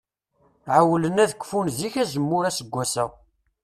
Ɛewwlen ad d-kfun zik azemmur aseggas-a.